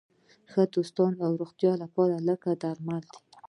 ښه دوستان د روغتیا لپاره لکه درمل دي.